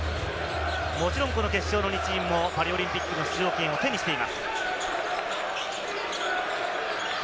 もちろん、この決勝の２チームもパリオリンピックの出場権を手にしています。